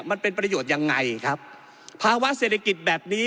มันเป็นประโยชน์ยังไงครับภาวะเศรษฐกิจแบบนี้